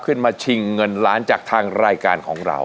มาชิงเงินล้านจากทางรายการของเรา